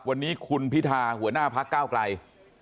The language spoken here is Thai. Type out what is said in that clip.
วันนี้คุณพิธาหัวหน้าพักเก้าไกล